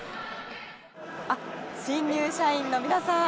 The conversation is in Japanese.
新入社員の皆さん